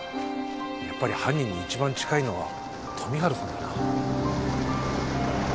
やっぱり犯人に一番近いのは富治さんだな。